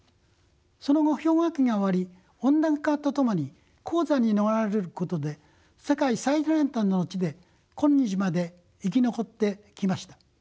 その後氷河期が終わり温暖化とともに高山に逃れることで世界の最南端の地で今日まで生き残ってきました。